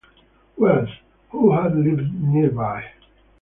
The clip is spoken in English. Wells, who had lived nearby.